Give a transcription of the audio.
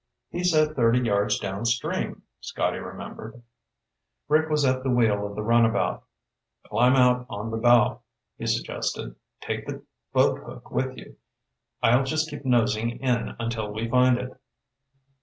"He said thirty yards downstream," Scotty remembered. Rick was at the wheel of the runabout. "Climb out on the bow," he suggested. "Take the boat hook with you. I'll just keep nosing in until we find it."